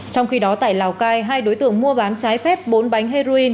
trong khi đó tại lào cai hai đối tượng mua bán trái phép bốn bánh heroin